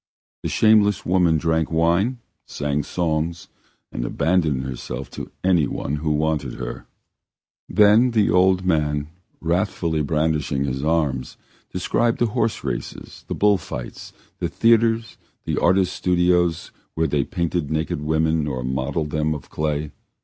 The shameless woman drank wine, sang songs, and abandoned herself to anyone who wanted her. Then the old man, wrathfully brandishing his arms, described the horse races, the bull fights, the theatres, the artists' studios where they painted naked women or moulded them of clay.